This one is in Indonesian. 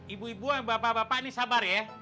ibu ibu bapak bapak ini sabar ya